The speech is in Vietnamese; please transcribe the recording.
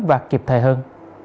và kịp thời hơn